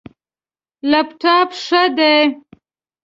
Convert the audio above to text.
لپټاپ، ښه ده